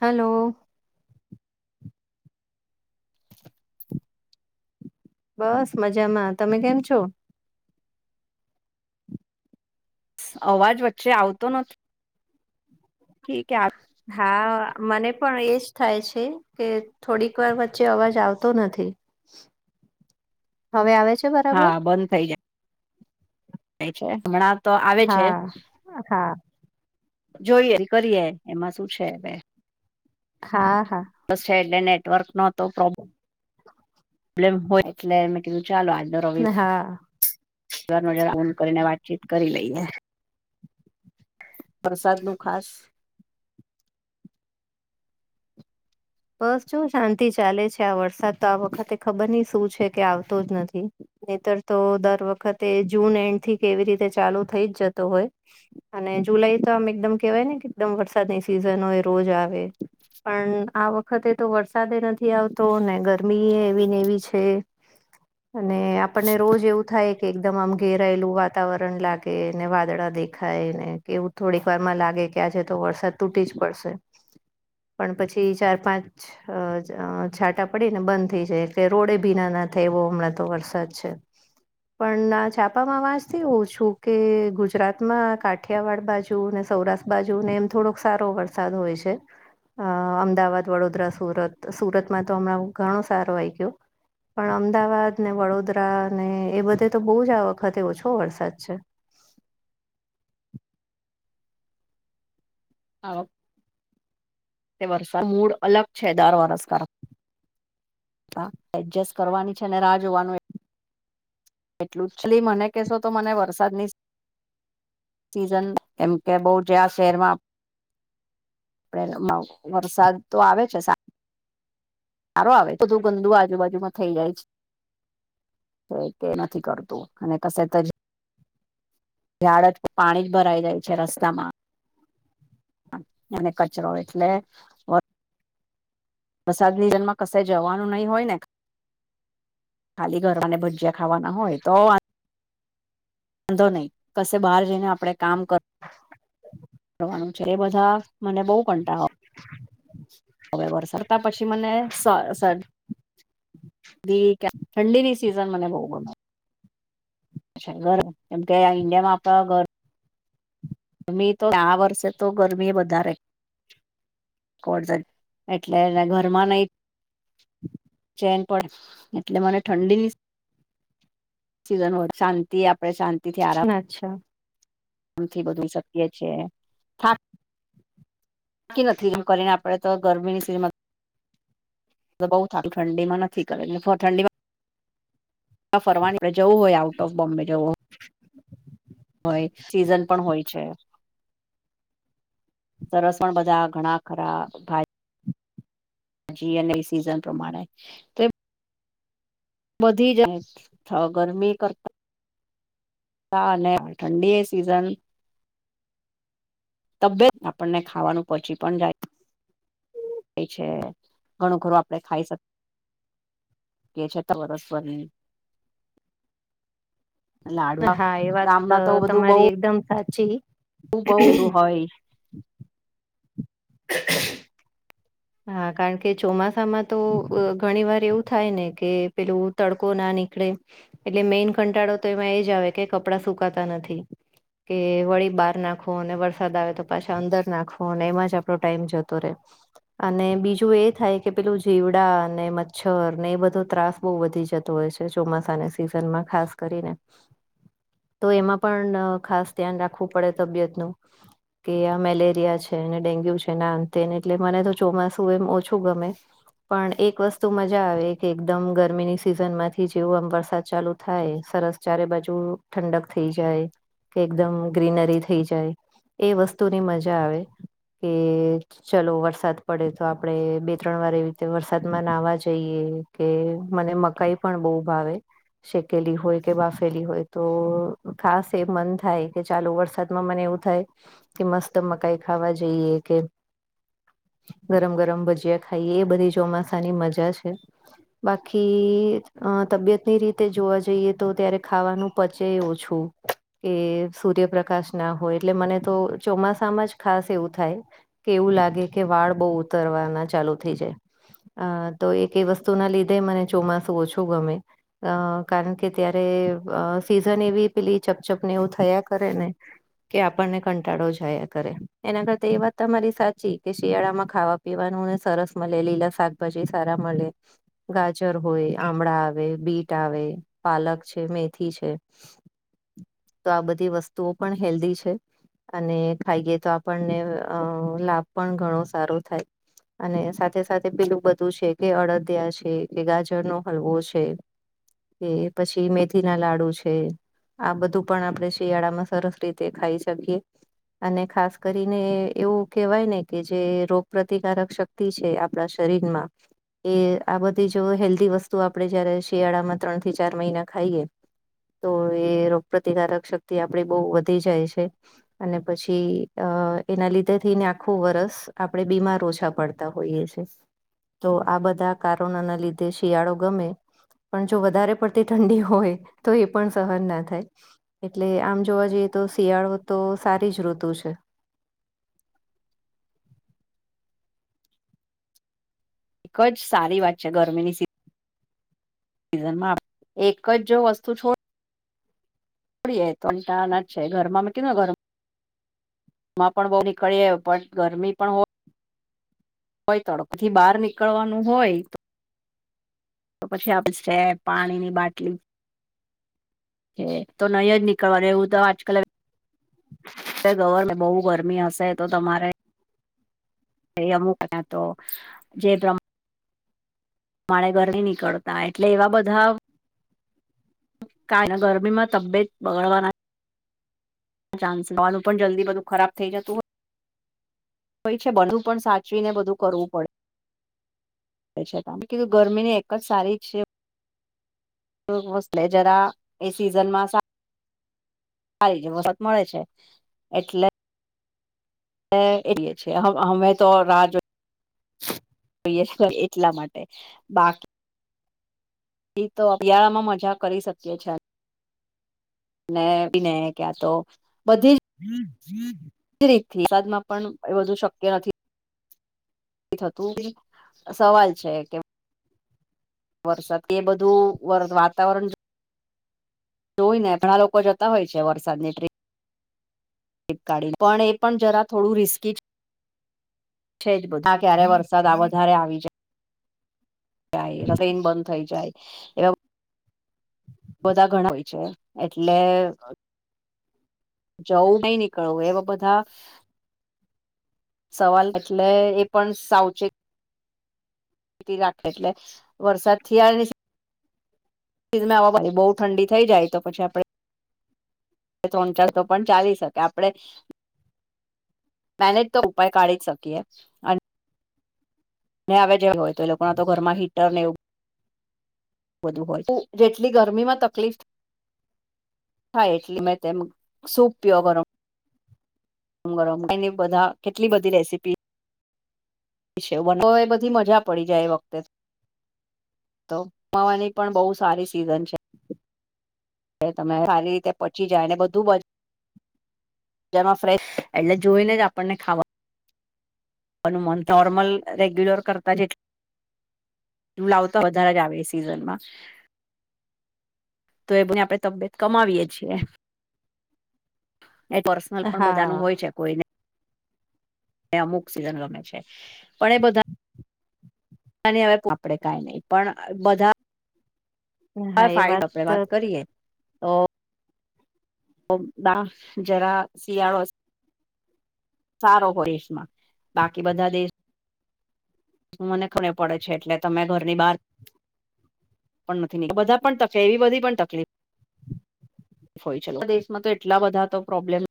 Hello [inaudible] બસ મજામાં. તમે કેમ છો? અવાજ વચ્ચે આવતો નથ ઠીકે આપ હા મને પણ એજ થાય છે કે થોડીક વાર વચ્ચે અવાજ આવતો નથી. [inaudible] હવે આવે છ હા બંધ થઈ જા વે છે. હમણાં તો આવે છે. હા હા જોઈએ ને કરીએ એમાં શું છે હવે. હા હા [unintelligible] છે એટલે નેટવર્કનો તો પ્રોબ [inaudible] લમ હોય એટલે મે કીધું ચાલો આજનો [unintelligible] હા હા [unintelligible] ફોન કરીને વાતચીત કરી લઈએ. વરસાદનું ખાસ બસ જો શાંતિ ચાલે છે. આ વરસાદ તો આ વખતે ખબર નહી શું છે કે આવતો જ નથી. નહિંતર તો દર વખતે જૂન એન્ડથી કે એવી રીતે ચાલુ થઇ જ જતો હોય. અને જુલાઈ તો આમ એકદમ કેવાયને કે એકદમ વરસાદની સિઝન હોય રોજ આવે. પણ આ વ ખતે તો વરસાદે નથી આવતો ને ગરમી એ એવી ને એવી છે. અને આપણને રોજ એવું થાય કે એકદમ આમ ઘેરાયેલું વાતાવરણ લાગે અને વાદળા દે ખાય ને કે એવું થોડીક વારમાં લાગે કે આજે તો વરસાદ તૂટી જ પડશે. [inaudible] પણ પછી ચાર-પાંચ. [unintelligible] છાટા પડીને બંધ થઇ જાય. એટલે રોડે ભીના ના થાય એવો હમણાં તો વરસાદ. છે પણ આ છાપામાં વાંચતી હોઉ છું કે ગુજરાતમાં કા ઠિયાવાડ બાજુને સૌરાષ્ટ્ર બાજુને. એમ થોડોક સારો વરસાદ હોય છે. અ અમદાવાદ, વડોદરા, સુરત, સુરતમાં તો હમણાં ઘણો સારો આઈગ્યો. પણ અમદાવાદને, વડોદરાને એ બધે તો બહુ જ આ વખતે ઓછો વરસાદ છે. [unintelligible] વરસાદ મૂળ અલગ છે દર વરસ કર તા એડજસ્ટ કરવાની છે. અને રાહ જોવાનું. એટલું જ મને કહેશો, તો મને વરસાદની. સીઝન, એમ કે બહુ જ્યાં શહેરમાં. [unintelligible] વરસાદ તો આવે છે સા રો આવે, બધું ગંદુ આજુબાજુમાં થઇ જાય છે. [unintelligible] કે નથી કરતું અને કશે ઝાડ જ, પાણી જ ભરાઈ જાય છે રસ્તામાં. અને કચરો એટલે. વરસાદની સીઝનમાં કશે જવાનું નહી હોય ને. ખાલી ઘરમાં, ને ભજીયા ખાવાના હોય તો વા વાંધો નહી કશે બહાર જઈને આપડે કામ ક [inaudible] રવાનું છે એ બધા મને બઉ કંટાળો આવે. આવે વરસાદ [unintelligible] પછી મને [unintelligible] [unintelligible] ઠંડીની સીઝન મને બહુ ગમે. છે ઘર એમ કે ઇન્ડિયામાં આપણા ઘર. [unintelligible] તો આ વર્ષે તો ગરમી વધારે. [unintelligible] એટલે એને ઘરમાં નહી. ચેન પડે. એટલે મને ઠંડીની. સિઝન હોય, શાંતિ આપડે શાંતિથી આરામ. અચ્છા. [unintelligible] બધું શકીએ છે થા કતી નથી એમ કરીને, આપણે તો ગરમીની સિજ. બોવ સારું ઠંડીમાં નથી. [unintelligible] ઠંડીમાં. ફરવાની જવું આઉટ બોમ્બે જવું હોય. હોય સિઝન પણ હોય છે. સરસ પણ બધા ઘણા ખરા ભાઈ. જીી અને સિઝન પ્રમાણે તેમ. બધી જાય અ ગરમી કરતા. ઠંડી એ સીઝન. તબિયત આપણને ખાવાનું પચી પણ જાય. એ છે, ઘણું ખરું આપડે ખાઈ શક. કે છે [inaudible] વરસ વરની. લાડવા હા એ વાત ગામમાં તો બધું બઉ તમારી એકદમ સાચી બઉ [unintelligible] હોય [inaudible] હા કારણ કે ચોમાસામાં તો ઘણી વાર એવું થાયને કે પેલું તડકો ના નીકળે એટલે મેઈન કંટાળો તો એમાં એ જ આવે કે કપડાં સુકાતા નથી કે વળી બહાર નાખવો ને વરસાદ આવે તો પાછા અંદર નાખવો અને એમાં જ આપણો ટાઇમ જતો રે અને બીજું એ થાય કે પેલું જીવડા ને મચ્છરને એ બધો ત્રાસ બોવ વધી જતો હોય છે, ચોમાસાના સિઝનમાં ખાસ કરીને [inaudible] તો એમાં પણ ખાસ ધ્યાન રાખવું પડે તબિયતનું કે આ મેલેરિયા છે ને ડેન્ગ્યુ છે ને આ તે એટલે મને તો ચોમાસું એમ ઓછું ગમે પણ એક વસ્તુ મજા આવે કે એકદમ ગરમીની સિઝન માંથી જેવો આમ વરસાદ ચાલુ થાય સરસ ચારે બાજુ ઠંડક થઈ જાય કે એકદમ ગ્રીનરી થઈ જાય એ વસ્તુની મજા આવે કે ચલો વરસાદ પડે તો આપડે બે ત્રણ વાર એવી રીતે વરસાદમાં નાહવા જઈએ કે મને મકાઈ પણ બહુ ભાવે શેકેલી હોય કે બાફેલી હોય તો ખાસ એ મન થાય કે ચાલુ વરસાદ માં મને એવું થાય કે મસ્ત મકાઈ ખાવા જઈએ કે ગરમ ગરમ ભજીયા ખાઈએ એ બધી ચોમાસાની મજા છે. બાકી તબિયતની રીતે જોવા જઈએ તો ત્યારે ખાવાનું પચેય ઓછું કે સૂર્યપ્રકાશના હોય એટલે મને તો ચોમાસામાં જ ખાસ એવું થાય કે એવું લાગે કે વાળ બહુ ઉતરવાના ચાલુ થઇ જાય અ તો એક એ વસ્તુના લીધે મને ચોમાસું ઓછું ગમે અ કારણ કે ત્યારે સિઝન એવી પેલી ચપચપને એવું થયા કરેને કે આપણને કંટાળો જ આયા કરે એના કરતા એ વાત તમારી સાચી કે શિયાળામાં ખાવા પીવાનુંને સરસ મળે લીલા શાકભાજી સારા મળે ગાજર હોય આમળા આવે બીટ આવે પાલક છે મેથી છે. [inaudible] તો આ બધી વસ્તુઓ પણ હેલ્ધી છે. અને ખાઈએ તો આપણને અ લાભ પણ ઘણો સારો થાય અને સાથે સાથે પેલું બધું છે કે અડદિયા છે કે ગાજરનો હલવો છે. કે પછી મેથીના લાડુ છે. આ બધું પણ આપણે શિયાળામાં સરસ રીતે ખાઈ શકીએ અને ખાસ કરીને એવું કેવાય ને કે જે રો ગ પ્રતિકારક શક્તિ છે આપણા શરીરમાં એ આ બધી જો હેલ્ધી વસ્તુ આપણે જયારે શિયાળામાં ત્રણ થી ચાર મહિના ખાઈએ તો એ રોગ પ્રતિકારક શક્તિ આપણી બહુ વધી જાય છે. અને પછી અ એના લીધે થીને આખું વરસ આપણે બીમાર ઓછા પડતા હોઈએ છે. તો આ બધા કારણોના લીધે શિયાળો ગમે પણ જો વધારે પડતી ઠંડી હોય તો એ પણ સહન ના થાય એટલે આમ જોવા જઈએ તો શિયાળો તો સારી જ ઋતુ છે. [unintelligible] સારી વાત છે ગરમીની સી એમાં [unintelligible] એક જો વસ્તુ છોડ પડીએ પહેલા ના છે ઘર માં [unintelligible] માં પણ બહુ નીકળીએ પણ ગરમી પણ હોય પઈ તડપ બહાર નીકળવાનું હોય. તો પછી આપને છે પાણી ની બાટલી છે. એ તો નહી જ નીકળવાનું એવું તો આજકાલ હવે [unintelligible] બહુ ગરમી હશે તો તમારે એ અમુક ક તો જે પ્રમાણે પ્રમાણે ઘર ની નીકળતા એટલે એવા બધા કારણે ગરમીમાં તબિયત બગાડવાના ચાન્સ હોવાનું પણ જલ્દી બધું ખરાબ થઈ જતું હોય. હોય છે બનું પણ સાચવી ને બધું કરવું પડે [unintelligible] મે કીધું ગરમી ની એક જ સારી જ છે કોઈ બસ લઈ જરા એ સિઝનમાં સા સારી જ વસાત મળે છે એટલે એ એટલે છે હ અમે તો રા જોઈ જોઈએ છીએ એટલા માટે બાકી એક તો અતિયાારામાં મજા કરી શકે છે વિનય વિનય ક્યાંતો બધી જ હમ હમ [inaudible] રીત થી વરસાદમાં પણ એ વધુ શક્ય નથી. થતું બી સવાલ છે એ કે વરસાદ તે બધું વાતાવરણ જોઈ ને ઘણા લોકો જતા હોય છે વરસાદ ની થે ફ્લિપકારએ પણ એ પણ જરા થોડું રિસ્કી જ છે જ બધા આ ક્યારે વરસાદ આ વધારે આવી જાય. જાય રૈન બંધ થઈ જાય એમ બધા ઘણા હોય છે એટલે, જવું નઈ નીકળવું એવા બધા સવાલ એટલે એ પણ સાવચેત તી રાખે એટલે વરસાદથી આઈરીશ સીઝવા ભાઈ બહુ ઠંડી થઈ જાય તો પછી આપણે તોન ચાર તો પણ ચાલી શકે આપણે ડાયરેક્ટ [unintelligible] તો ઉપાય કાઢી જ શકીએ ને અવે જે હોય તો એ લોકો ના તો ઘરમાં હીટર ને એવું બધું હોય ઉ જેટલી ગરમી માં તકલીફ થાય એટલે મેં તેમ સૂપ પિયો કરો. ગરમ ગરમ એની બધા કેટલી બધી રેસીપી છે તો એ બધી મજા પડી જાય એ વખતે તો તો કમાવાની પણ બહુ સારી સિઝન છે. એ તમારે સારી રીતે પચી જાય ને બધું બ મા ફ્રેશ એટલે જોઈને જ આપણને ખાવાનું [unintelligible] મન નોર્મલ રેગ્યુલર કરતા જેટ હું લાવ તા વધારે જ આવે એ સિઝનમાં તો એ બને આપણે તબિયત કમાવીએે છીએ. એ પર્સનલ પણ બધાનું હોય હા છે. કોઇને એ અમુક સિઝન રમે છે. પણ એ બધા [unintelligible] ને હવે આપડે કાઈ નહી પણ બધા હા ફાવે આપે વાત કરીએ ઓ ઓ બા જરા શિયાળો સારો હોય દેશમાં. બાકી બધા દેશ મને [unintelligible] પડે છે એટલે તમે ઘરની બહાર પણ નથી નીક બધા પણ તકે એવી બધી પણ તકલીફ હોય છે. આપણા દેશમાં તો એટલા બધા તો પ્રોબ્લેમ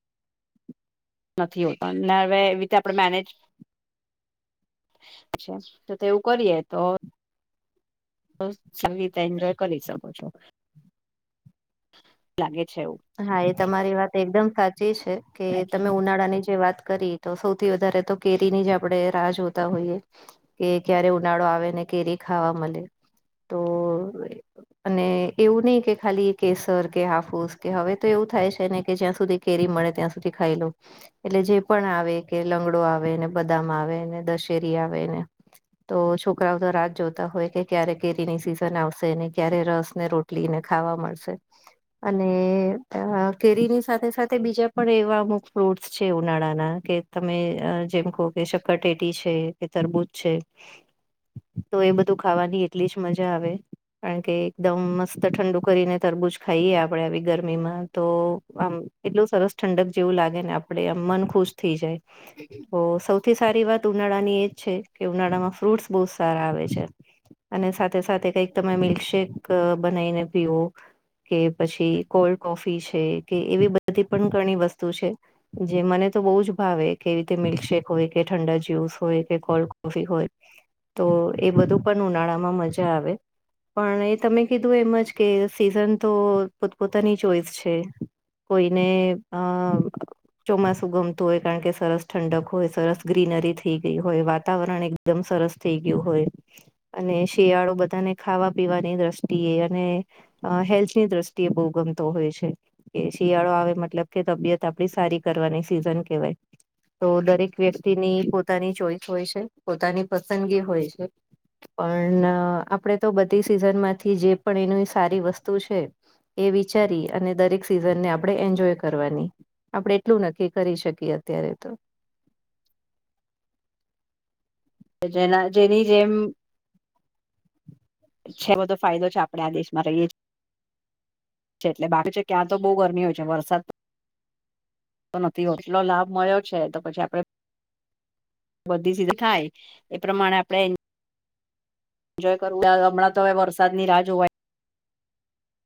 નથી હોતા ને હવે એવી રીતે આપણે મેનેજ છે તો તેવું કરીએ તો તો સારી રીતે એન્જોય કરી શકો છો. લાગે છે એવું. હા એ તમારી વાત એકદમ સાચી છે. કે એટલે તમે ઉનાળાની જે વાત કરી તો સૌથી વધારે તો કેરીની જ આપણેે રાહ જોતા હોઈએ. કે ક્યારે ઉનાળો આવે ને કેરી ખાવા મલે. તો અને એવું નહી કે ખાલી કેસર કે હાફુસ કે હવે તો એવું થાય છે ને કે જ્યાં સુધી કેરી મળે ત્યાં સુધી ખાઈ લવ. એટલે જે પણ આવે કે લંગડો આવેને, બદામ આવેને, દશેરી આવે ને. તો છોકરાઓ તો રાહ જ જોતા હોય કે ક્યારે કેરીની સિઝન આવશે અને ક્યારે રસ ને રોટ લીને ખાવા મળશે. અને [inaudible] કેરીની સાથે સાથે બીજા પણ એવાં અમુક ફ્રૂટ્સ છે ઉનાળાના કે તમે જેમ કો કે શક્કરટેટી છે, કે તરબૂચ છે. [inaudible] તો એ બધું ખાવાની એટલી જ મજા આવે. કારણ કે એકદમ મસ્ત ઠંડુ કરીને તરબૂચ ખાઈએ આપ આપણે આવી ગરમીમાં તો આમ એટલું સરસ ઠંડક જેવું લાગે ને આપડે આમ મન ખુશ થઈ જાય. તો સૌથી સારી વાત ઉનાળાની એજ છે કે ઉનાળામાં ફ્રૂટ્સ બહુ સારા આવે છે. અને સાથે સાથે કંઈક તમે મિલ્કશેેક બનાવીને પીવો કે પછી કોલ્ડ કોફી છે કે એવી બધી પણ ઘણી વસ્તુ છે. જે મને તો બહુ જ ભાવે. કે એ રીતે મિલ્કશેેક હોય, કે ઠંડા જ્યુસ હોય કે, કોલ્ડ કોફી હોય. તો એ બધું પણ ઉનાળામાં મજા આવે. પણ એ તમે કીધું એમજ કે સિઝન તો પોતપોતાની ચોઈસ છે. કોઈને આ ચોમાસું ગમતું હોય. કારણ કે સરસ ઠંડક હોય, સરસ ગ્રીનરી થઈ ગઈ હોય, વાતાવરણ એક દમ સરસ થઇ ગ્યું હોય. અને શિયાળો બધાને ખાવા પીવાની દ્રષ્ટિએ અને હેલ્થની દ્રષ્ તે બહુ ગમતો હોય છે. કે શિયાળો આવે મતલબ કે તબિયત આપડી સારી કરવાની સિઝન કેવાય. તો દરેક વ્યક્તિની પોતાની ચોઈસ હોય છે, પોતાની પસંદગી હોય છે. પણ આપણેે તો બધી સિઝનમાંથી જે પણ એની સારી વસ્તુ છે. એ વિચારી અને દરેક સિઝનને આપણે એન્જોય કરવાની. આપણે એટલું નક્કી કરી શકીએ અત્યારે તો. તો જેના જેની જેમ છે બધો ફાયદો છે આપ આપણે આ દેશમાં રહીએ છ, એટલે બાકી છે ક્યાં તો બઉ ગરમી હોય છે વરસાદ તો નથી ઓટલો લાભ મળ્યો છે તો પછી આપડે બધી સીધી થાય એ પ્રમાણે આપડે એન્જોય કરવું [unintelligible] હમણાં તો હવે વરસાદની રાહ જોવાય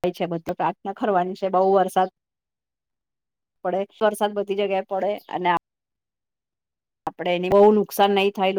થાય છે, [unintelligible] પ્રાર્થના કરવાની છે બઉ વરસાદ પડે વરસાદ બધી જગ્યાએ પડે અને આ આપડે એને બઉ નુકસાન નહી થાય